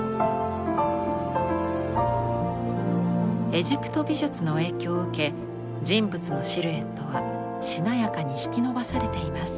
エジプト美術の影響を受け人物のシルエットはしなやかに引き伸ばされています。